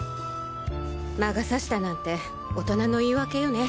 魔が差したなんて大人の言い訳よね。